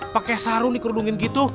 pakai sarung dikerlungin gitu